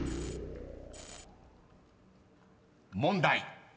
［問題］